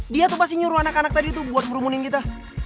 dia tuh pasti nyuruh anak anak tadi tuh buat brumunin kita